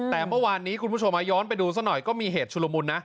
แต่เมื่อวานนี้คุณผู้ชมย้อนไปดูซะหน่อยก็มีเหตุชุลมุนนะ